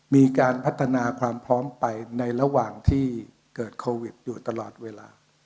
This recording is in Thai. มีการพัฒนาความพร้อมไปในระหว่างที่เกิดโควิดอยู่ตลอดเวลา